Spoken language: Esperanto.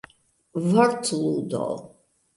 vortludo